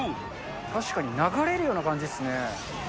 確かに流れるような感じっすね。